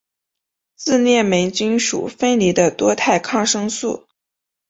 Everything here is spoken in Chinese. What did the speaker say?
自链霉菌属分离的多肽抗生素。